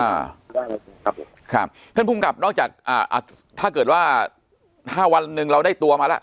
อ่าได้ครับผมครับท่านภูมิกับนอกจากอ่าอ่าถ้าเกิดว่าถ้าวันหนึ่งเราได้ตัวมาแล้ว